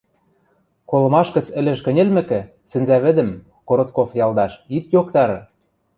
Колымаш гӹц ӹлӹж кӹньӹлмӹкӹ, сӹнзӓвӹдӹм, Коротков ялдаш, ит йоктары!